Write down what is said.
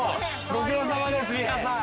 ご苦労さまです皆さん。